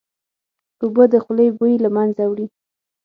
اوبه د خولې بوی له منځه وړي